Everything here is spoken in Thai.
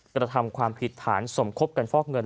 กระทำความผิดฐานสมคบกันฟอกเงิน